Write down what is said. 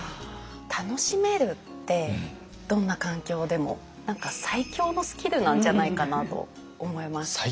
楽しめるってどんな環境でも何か最強のスキルなんじゃないかなと思います。